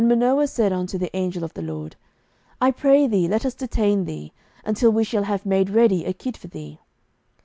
07:013:015 And Manoah said unto the angel of the LORD, I pray thee, let us detain thee, until we shall have made ready a kid for thee.